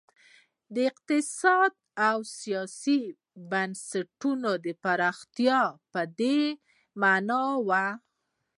د اقتصادي او سیاسي بنسټونو پراختیا په دې معنا وه.